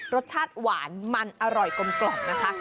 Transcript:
รสชาติหวานมันอร่อยกลมนะคะ